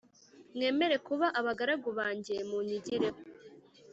Mwemere kuba abagaragu banjye munyigireho